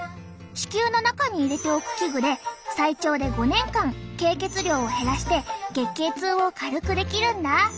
子宮の中に入れておく器具で最長で５年間経血量を減らして月経痛を軽くできるんだ。